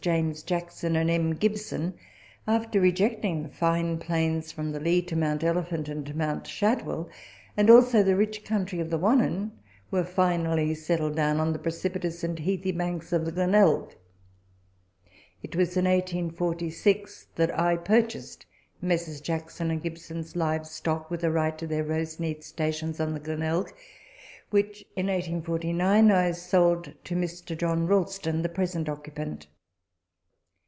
James Jackson and M. Gibson, after rejecting the fine plains from the Leigh to Mount Elephant and Mount Shadwell, and also the rich country of the Wannon, were finally settled down on the precipitous and heathy banks of the Glenelg. It was in 1846 that I purchased Messrs. Jackson and Gibson's live stock, with the right to their " Roseneath " stations on the Glenelg, which, in 1849, I sold to Mr. John Ralston, the present occupant.